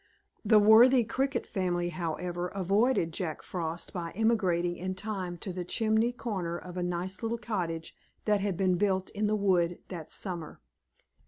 The worthy Cricket family, however, avoided Jack Frost by emigrating in time to the chimney corner of a nice little cottage that had been built in the wood that summer.